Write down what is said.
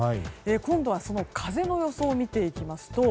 今度はその風の予想を見ていきますと